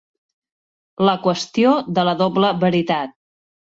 La qüestió de la doble veritat.